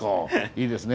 いいですね